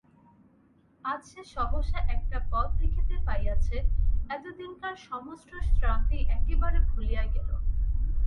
আজ সে সহসা একটা পথ দেখিতে পাইয়াছে, এতদিনকার সমস্ত শ্রান্তি একেবারে ভুলিয়া গেল।